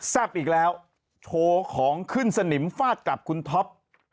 อีกแล้วโชว์ของขึ้นสนิมฟาดกับคุณท็อป